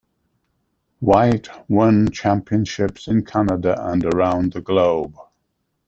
White won championships in Canada and around the globe.